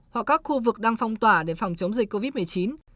hoặc các khu vực đang phong tỏa để phòng chống dịch covid một mươi chín